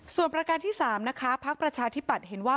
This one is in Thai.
ส่วนประการที่๓นะคะพักประชาธิปัตย์เห็นว่า